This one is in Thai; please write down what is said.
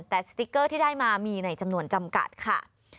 แต่สติ๊กเกอร์ที่ได้มามีในจำนวนจำกัดค่ะ